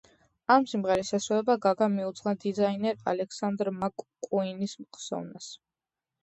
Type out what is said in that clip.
ამ სიმღერის შესრულება გაგამ მიუძღვნა დიზაინერ ალექსანდრ მაკ-კუინის ხსოვნას.